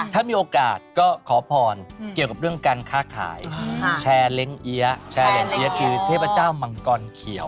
ถ้ามีโอกาสก็ขอพรเกี่ยวกับเรื่องการค้าขายแชร์เล้งเอี๊ยะแชร์เล้งเอี๊ยะคือเทพเจ้ามังกรเขียว